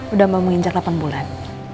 udah mau menginjak delapan bulan